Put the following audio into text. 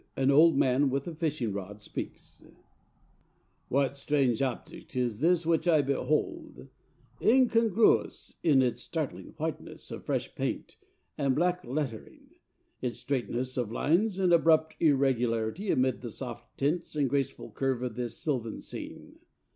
An old man with a fishing rod speaks_: What strange object is this which I behold, incongruous in its staring whiteness of fresh paint and black lettering, its straightness of lines and abrupt irregularity amid the soft tints and graceful curves of this sylvan scene?